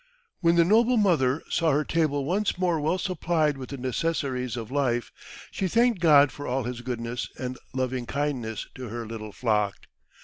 When the noble mother saw her table once more well supplied with the necessaries of life, she thanked God for all His goodness and loving kindness to her little flock.